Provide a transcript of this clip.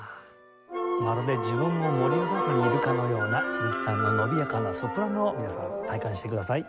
まるで自分も森の中にいるかのような鈴木さんの伸びやかなソプラノを皆さん体感してください。